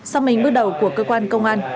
sau mấy bước đầu của cơ quan công an